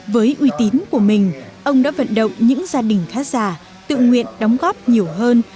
với uy tín của mình ông đã vận động những gia đình khá già tự nguyện đóng góp nhiều hơn